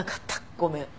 ごめん。